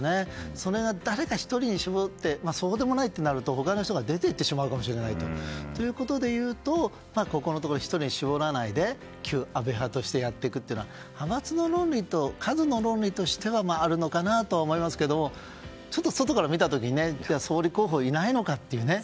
それが誰か１人に絞ってそうでもないってなると他の人が出て行ってしまうかもしれないということでいうとここのところ、１人に絞らないで旧安倍派としてやっていくのは派閥の論理と数の論理としてはあるのかなと思いますが外から見た時に総理候補がいないのかというね。